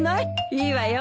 いいわよ。